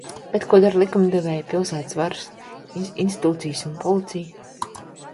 Bet ko dara likumdevēji, pilsētas varas institūcijas un policija?